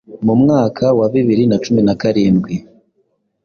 mu mwaka wa bibiri na cumin a karindwi,